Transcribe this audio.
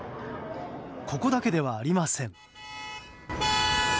ここだけではありません。